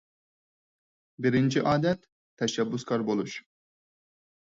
بىرىنچى ئادەت، تەشەببۇسكار بولۇش.